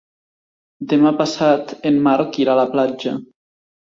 Demà passat en Marc irà a la platja.